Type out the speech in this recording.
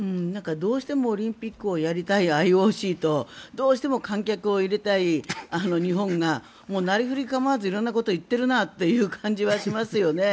どうしてもオリンピックをやりたいＩＯＣとどうしても観客を入れたい日本がなりふり構わず色んなことを言っているなという感じがしますね。